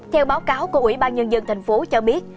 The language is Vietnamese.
theo báo cáo của ủy ban nhân dân thành phố cho biết